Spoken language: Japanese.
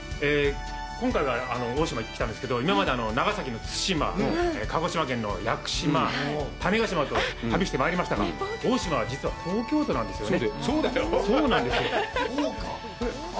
今回は大島行ってきたんですけど、今まで、長崎の対馬、鹿児島県の屋久島、種子島と旅してまいりましたが、大島は実は東京都なんですよね。